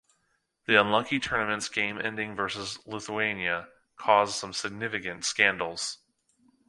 The unlucky tournament's game ending versus Lithuania caused some significant scandals.